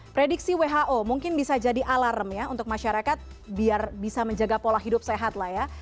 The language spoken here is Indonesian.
prediksi who mungkin bisa jadi alarm ya untuk masyarakat biar bisa menjaga pola hidup sehat lah ya